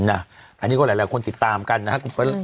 อันนี้ก็หลายคนติดตามกันนะครับ